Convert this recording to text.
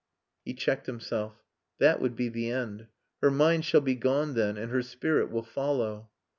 He checked himself. "That would be the end. Her mind shall be gone then, and her spirit will follow."